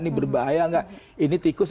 ini berbahaya nggak ini tikus